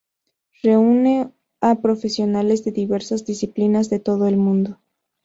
Reúne a profesionales de diversas disciplinas de todo el mundo.